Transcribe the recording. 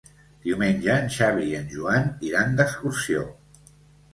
Diumenge en Xavi i en Joan iran d'excursió.